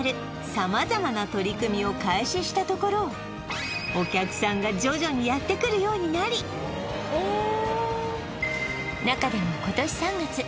様々な取り組みを開始したところお客さんが徐々にやってくるようになりえ！